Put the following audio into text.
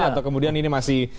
atau kemudian ini masih